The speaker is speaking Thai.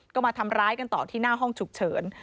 ก็มาทำร้ายกันต่อที่หน้าห้องฉุกเฉิน